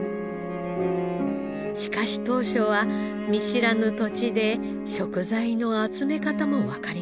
しかし当初は見知らぬ土地で食材の集め方もわかりません。